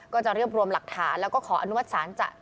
ก็จะรวบรวมหลักฐานแล้วก็ขออนุมัติศาลจะ